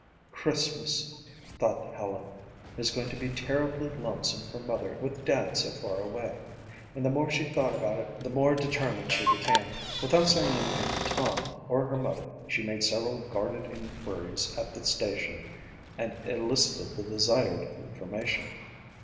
"Christmas," thought Helen, "is going to be terribly lonesome for mother with Dad so far away," and the more she thought about it the more determined she became. Without saying anything to Tom or her mother, she made several guarded inquiries at the station and elicited the desired information.